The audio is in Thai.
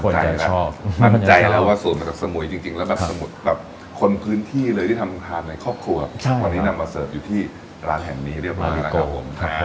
ชอบมั่นใจแล้วว่าสูตรมาจากสมุยจริงแล้วแบบสมุดแบบคนพื้นที่เลยที่ทำทานในครอบครัววันนี้นำมาเสิร์ฟอยู่ที่ร้านแห่งนี้เรียบร้อยแล้วครับผม